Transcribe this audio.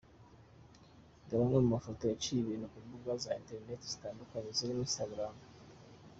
Dore amwe mu mafoto yaciye ibintu ku mbuga za interinet zitandukanye zirimo Instagram.